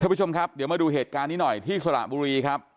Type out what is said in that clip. ผู้ชมครับเดี๋ยวมาดูเหตุการณ์นี้หน่อยที่สระบุรีครับ